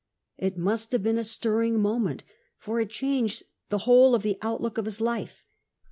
It must have been a stir ring moment, for it changed the whole of the outlook of his life.